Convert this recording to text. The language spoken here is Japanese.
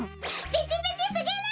ピチピチすぎる！